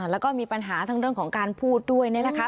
แล้วก็มีปัญหาทั้งเรื่องของการพูดด้วย